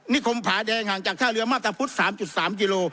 นิคมผาแดงห่างจากท่าเรือมาตรพุธสามจุดสามกิโล